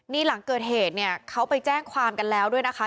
นี่หลังเกิดเหตุเนี่ยเขาไปแจ้งความกันแล้วด้วยนะคะ